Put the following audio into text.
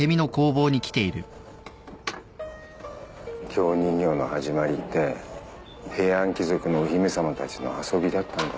京人形の始まりって平安貴族のお姫さまたちの遊びだったんだって。